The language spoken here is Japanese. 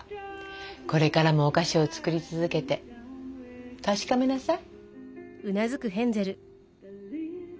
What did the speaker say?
これからもお菓子を作り続けて確かめなさい。